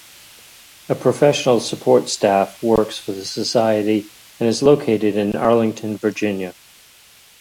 A professional support staff works for the society and is located in Arlington, Virginia.